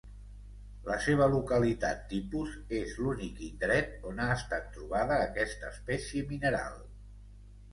La seva localitat tipus és l'únic indret on ha estat trobada aquesta espècie mineral.